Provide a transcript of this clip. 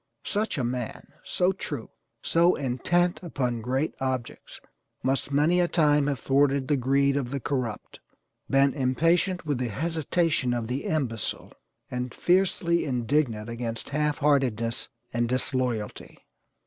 Such a man, so true, so intent upon great objects must many a time have thwarted the greed of the corrupt, been impatient with the hesitation of the imbecile, and fiercely indignant against half heartedness and disloyalty.